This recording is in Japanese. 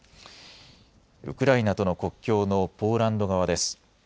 ウクライナとの国境のポーランド側です。